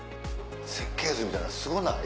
設計図みたいなすごない？